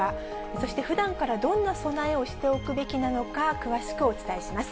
そしてふだんからどんな備えをしておくべきなのか、詳しくお伝えします。